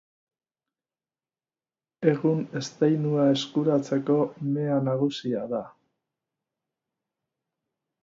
Egun eztainua eskuratzeko mea nagusia da.